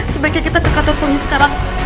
sebaiknya kita ke kantor polisi sekarang